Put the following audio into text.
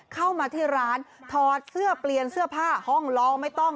เข้ามาที่ร้านถอดเสื้อเปลี่ยนเสื้อผ้าห้องลองไม่ต้อง